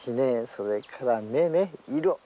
それから目ね、色。